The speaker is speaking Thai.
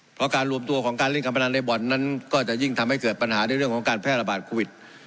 เพราะการรวมตัวของการเล่นการพนันในบ่อนนั้นก็จะยิ่งทำให้เกิดปัญหาในเรื่องของการแพร่ระบาดโควิด